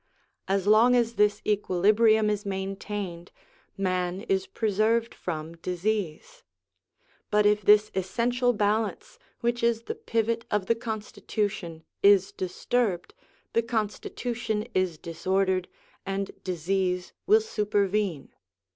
As long as this equilibrium is maintained, man is preserved from disease ; but if this essential balance, which is the pivot of the constitution, is disturbed, the constitution is disordered, and disease will supervene.